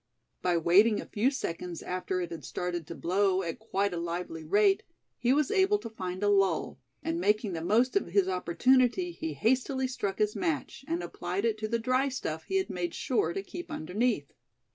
By waiting a few seconds after it had started to blow at quite a lively rate, he was able to find a lull; and making the most of his opportunity, he hastily struck his match, and applied it to the dry stuff he had made sure to keep underneath.